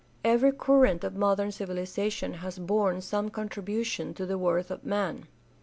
Every current of modern civilization has borne some contribution to the worth of man.